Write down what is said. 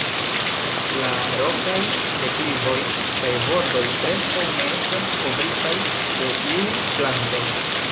La rokaj deklivoj kaj bordoj preskaŭ ne estas kovritaj de iuj plantoj.